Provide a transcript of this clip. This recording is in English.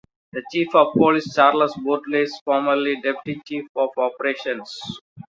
The Chief of Police Charles Bordeleau, formerly Deputy Chief of Operations.